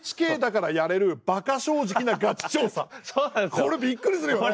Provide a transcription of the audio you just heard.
これびっくりするよね。